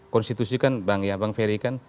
konstitusi kan bang ia bang ferry kan